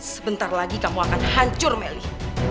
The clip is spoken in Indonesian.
sebentar lagi kamu akan hancur melly